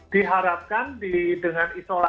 diharapkan dengan isofren